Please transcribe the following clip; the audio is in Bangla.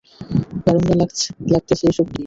দারুণ লাগতেছে এইসব কী?